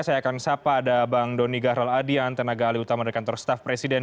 saya akan sapa ada bang doni gahral adian tenaga alih utama dari kantor staff presiden